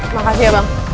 makasih ya bang